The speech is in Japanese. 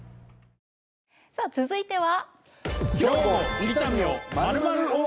さあ続いては。